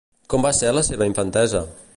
Com va ser la seva infantesa?